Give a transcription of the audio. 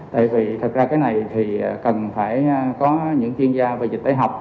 tại vì thật ra cái này thì cần phải có những chuyên gia về dịch tế học